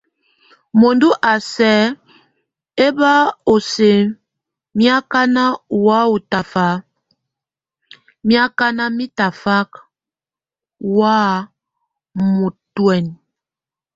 Múendu a sɛk ɛbo sɛ mí akan ɔ wa taf, mí akan, mɛ tafak, ɔ nútuen.